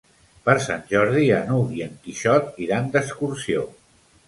Per Sant Jordi n'Hug i en Quixot iran d'excursió.